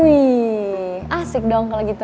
wih asik dong kalau gitu